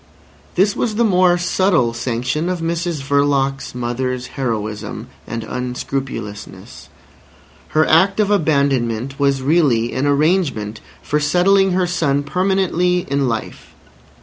This was the more subtle sanction of Mrs Verloc's mother's heroism and unscrupulousness. Her act of abandonment was really an arrangement for settling her son permanently in life.